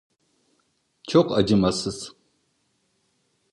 Çok acımasız.